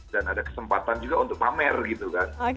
dan ada kesempatan juga untuk pamer gitu kan